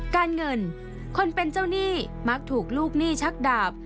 การเงินคนเป็นเจ้าหนี้มักถูกลูกหนี้ชักดาบ